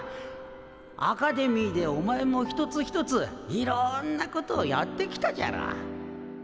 アカデミーでお前も一つ一ついろんなことをやってきたじゃろ？